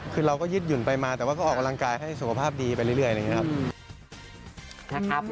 คือเราก็ยึดหยุ่นไปมาแต่ว่าก็ออกกำลังกายให้สุขภาพดีไปเรื่อยอะไรอย่างนี้ครับ